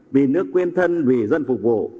vì nước quen thân vì dân phục vụ